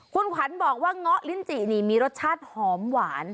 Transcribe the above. คุณขวัญบอกว่าเงาะลิ้นจินี่มีรสชาติหอมหวาน